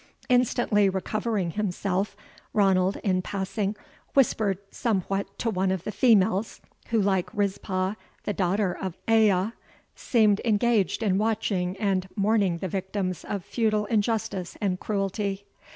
Instantly recovering himself, Ranald, in passing, whispered somewhat to one of the females, who, like Rizpah the daughter of Aiah, seemed engaged in watching and mourning the victims of feudal injustice and cruelty.